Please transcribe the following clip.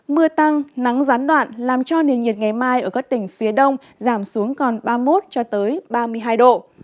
mưa tăng nắng gián đoạn làm cho nền nhiệt ngày mai ở các tỉnh phía đông giảm xuống còn ba mươi một ba mươi hai độ